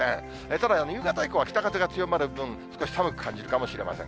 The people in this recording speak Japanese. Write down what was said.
ただ、夕方以降は北風が強まる分、少し寒く感じるかもしれません。